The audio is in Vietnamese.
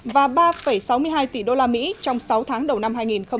và ba sáu mươi hai tỷ usd trong sáu tháng đầu năm hai nghìn một mươi tám